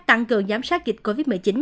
tăng cường giám sát dịch covid một mươi chín